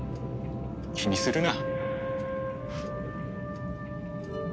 気にするな。